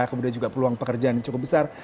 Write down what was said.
kemudian juga peluang pekerjaan yang cukup besar